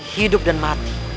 hidup dan mati